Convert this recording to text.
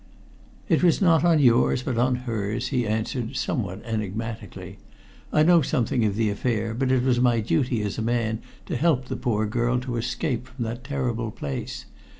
"It was not on yours, but on hers," he answered, somewhat enigmatically. "I know something of the affair, but it was my duty as a man to help the poor girl to escape from that terrible place.